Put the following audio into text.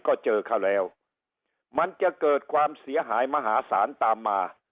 ก็เจอเขาแล้วมันจะเกิดความเสียหายมหาศาลตามมา